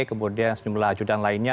kemudian sejumlah ajudan lainnya